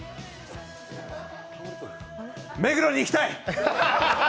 目黒に行きたい！